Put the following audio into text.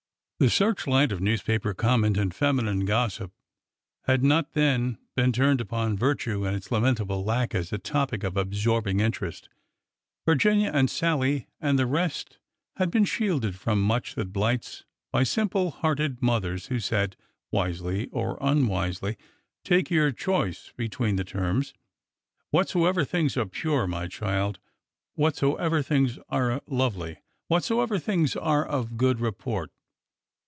The searchlight of newspaper comment and feminine gossip had not then been turned upon virtue and its lamentable lack as a topic of absorbing interest. Virginia and Sallie and the rest had been shielded from much that blights by simple hearted mothers who said, wisely or unwisely— take your choice between the terms : Whatsoever things are pure, my child, whatsoever things are lovely, whatsoever things are of good report